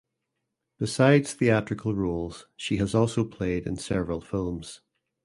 Besides theatrical roles she has also played in several films.